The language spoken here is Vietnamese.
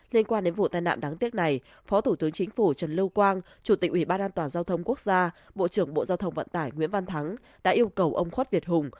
liên quan đến vụ tai nạn đáng tiếc này phó thủ tướng chính phủ trần lưu quang chủ tịch ủy ban an toàn giao thông quốc gia bộ trưởng bộ giao thông vận tải nguyễn văn thắng đã yêu cầu ông khuất việt hùng